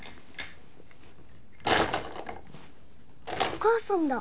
お母さんだ。